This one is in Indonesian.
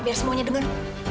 biar semuanya dengar